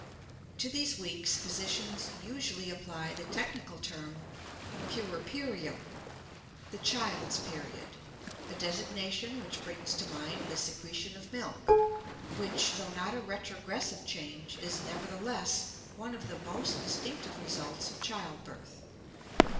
To these weeks physicians usually apply the technical term puerperium, the child's period, a designation which brings to mind the secretion of milk which, though not a retrogressive change, is, nevertheless, one of the most distinctive results of childbirth.